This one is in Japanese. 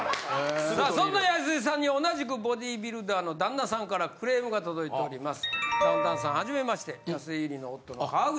さあそんな安井さんに同じくボディビルダーの旦那さんからクレームが届いております。